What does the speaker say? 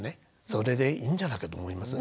それでいいんじゃないかと思います。